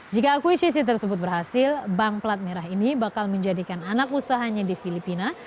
jika akuisisi tersebut berhasil bank pelat merah ini bakal menjadikan anak usahanya di filipina